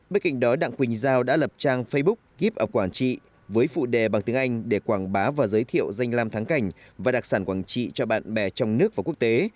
bên cạnh đó đặng quỳnh giao đã lập trang facebook kiếp ở quảng trị với phụ đề bằng tiếng anh để quảng bá và giới thiệu danh lam thắng cảnh và đặc sản quảng trị cho bạn bè trong nước và quốc tế